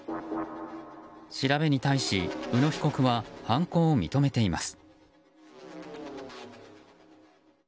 調べに対し宇野被告は犯行を認めています。